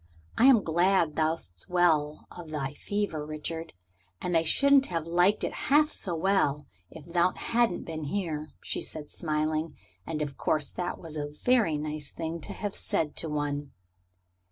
I am glad thou'st well of thy fever, Richard. I shouldn't have liked it half so well if thou hadn't been here," she said, smiling. And of course that was a very nice thing to have said to one.